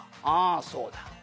「あそうだ。